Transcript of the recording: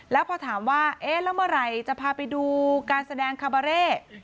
แล้วพอถามว่าเอ๊ะแล้วเมื่อไหร่จะพาไปดูการแสดงคาบาเร่